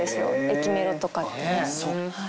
駅メロとかって。